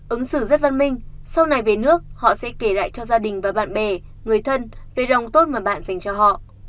ứng xử rất văn minh sau này về nước họ sẽ kể lại cho gia đình và bạn bè người thân về lòng tốt mà bạn dành cho họ